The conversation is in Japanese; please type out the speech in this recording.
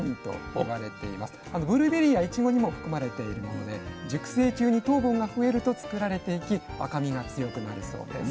ブルーベリーやイチゴにも含まれているもので熟成中に糖分が増えると作られていき赤みが強くなるそうです。